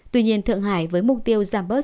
tuy nhiên thượng hải với mục tiêu giảm bớt